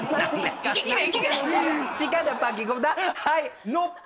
はい！